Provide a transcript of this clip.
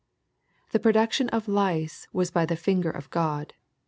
The production of lice was by the finger of Grod.